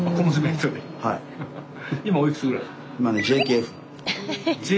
はい。